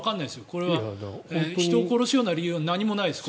これは人を殺すような理由は何もないです。